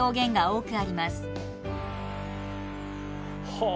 はあ！